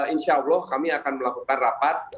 insya allah kami akan melakukan rapat